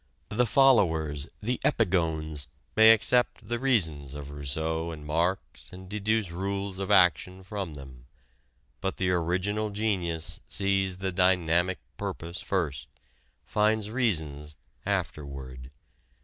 The followers, the epigones, may accept the reasons of Rousseau and Marx and deduce rules of action from them. But the original genius sees the dynamic purpose first, finds reasons afterward.